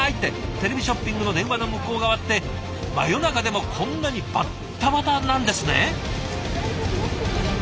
テレビショッピングの電話の向こう側って真夜中でもこんなにバッタバタなんですね。